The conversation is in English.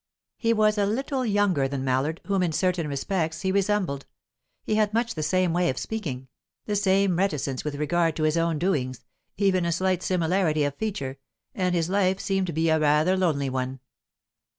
He was a little younger than Mallard, whom in certain respects he resembled; he had much the same way of speaking, the same reticence with regard to his own doings, even a slight similarity of feature, and his life seemed to be rather a lonely one.